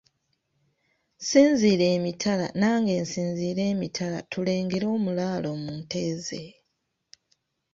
Sinziirira emitala nange nsinziirire emitala tulengere omulaalo mu nte ze.